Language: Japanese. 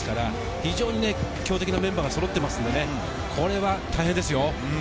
非常に強敵なメンバーがそろっていますので、これは大変ですよ。